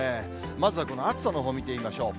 まずはこの暑さのほう、見てみましょう。